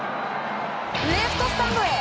レフトスタンドへ！